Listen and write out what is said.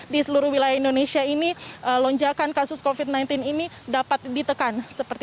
di seluruh wilayah indonesia ini lonjakan kasus covid sembilan belas ini dapat ditekan